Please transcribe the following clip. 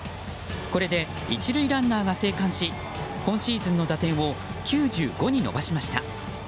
これで１塁ランナーが生還し今シーズンの打点を９５に伸ばしました。